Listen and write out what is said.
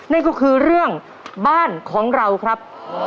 นั่นก็คือเรื่องบ้านของเราครับ